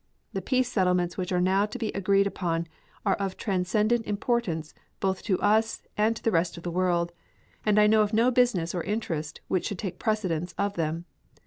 The peace settlements which are now to be agreed upon are of transcendent importance both to us and to the rest of the world, and I know of no business or interest which should take precedence of them.